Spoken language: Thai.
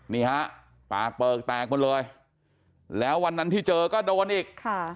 นี่ฮะปากเปลือกแตกหมดเลยแล้ววันนั้นที่เจอก็โดนอีกค่ะ